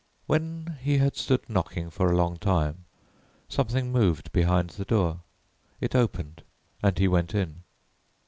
When he had stood knocking for a long time, something moved behind the door; it opened and he went in.